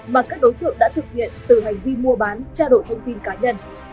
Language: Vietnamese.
mà các đối tượng đã thực hiện từ hành vi mua bán trao đổi thông tin cá nhân